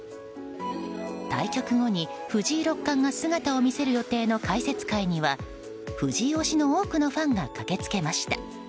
対局後に藤井六冠が姿を見せる予定の解説会は藤井推しの多くのファンが駆けつけました。